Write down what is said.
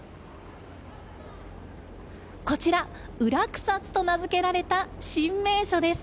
こちら裏草津と名付けられた新名所です。